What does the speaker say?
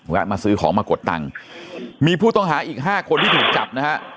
มาซื้อของมากดตังค์มีผู้ต้องหาอีกห้าคนที่ถูกจับนะฮะ